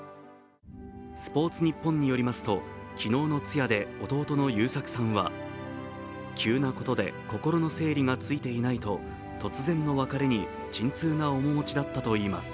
「スポーツニッポン」によりますと昨日の通夜で弟の祐作さんは急なことで心の整理がついていないと突然の別れに沈痛な面持ちだったといいます。